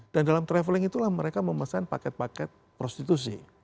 dan dalam travelling itulah mereka memesan paket paket prostitusi